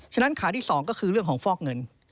ฉะนั้นขาที่๒ก็คือเรื่องของฟอกเงิน